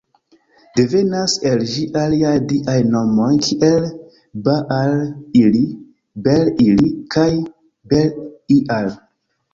Devenas el ĝi aliaj diaj nomoj kiel "Baal-il", "Bel-il", kaj "Bel-ial".